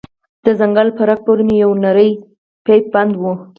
د څنگل په رگ پورې مې يو نرى پيپ بند و.